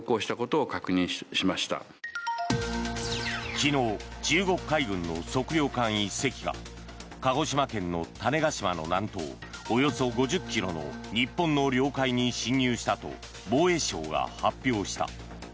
昨日、中国海軍の測量艦１隻が鹿児島県の種子島の南東およそ５０ｋｍの日本の領海に侵入したと防衛省が発表した。